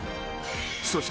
［そして］